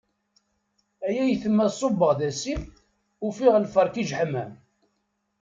Ay atma ṣubbeɣ d wasif, ufiɣ lferk ijeḥmam.